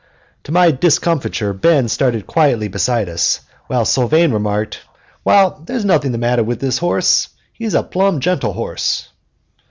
To my discomfiture Ben started quietly beside us, while Sylvane remarked, "Why, there's nothing the matter with this horse; he's a plumb gentle horse."